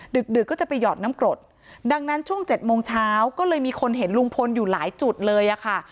ดึกก็จะไปหยอดน้ำกรดดังนั้นช่วง๗โมงเช้าก็เลยมีคนเห็นลุงพลอยู่หลายจุดเลยอะค่ะ